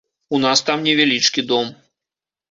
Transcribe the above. У нас там невялічкі дом.